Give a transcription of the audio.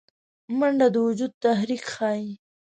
منډه د وجود تحرک ښيي